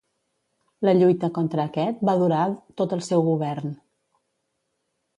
La lluita contra aquest va durar tot el seu govern.